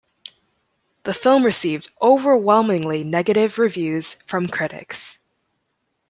The film received overwhelmingly negative reviews from critics.